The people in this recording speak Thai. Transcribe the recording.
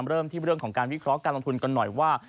เริ่มที่เรื่องของการวิเคราะห์การลงทุนกันหน่อยว่า